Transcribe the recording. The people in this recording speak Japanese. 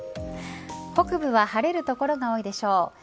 北部は晴れる所が多いでしょう。